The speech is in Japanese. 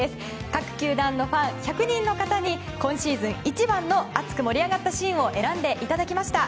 各球団のファン１００人の方に今シーズン一番の熱く盛り上がったシーンを選んでいただきました。